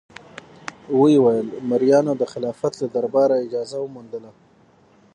ویې ویل: مریانو د خلافت له دربار اجازه وموندله.